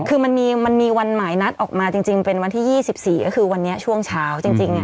คือมันมีวันหมายนัดออกมาจริงเป็นวันที่๒๔ก็คือวันนี้ช่วงเช้าจริง